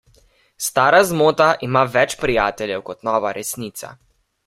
Stara zmota ima več prijateljev kot nova resnica.